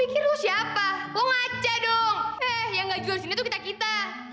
mikir lo siapa lo ngaca dong eh yang gak jual sini tuh kita kita